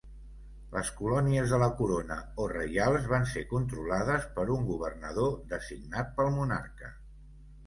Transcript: Les colònies de la corona, o reials, van ser controlades per un governador designat pel monarca.